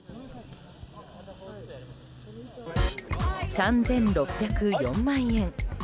３６０４万円。